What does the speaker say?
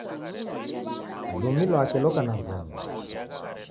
Lumi lwake loka na vonda